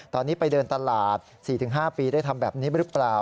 ตอนนี้ไปเดินตลาด๔๕ปีได้ทำแบบนี้หรือเปล่า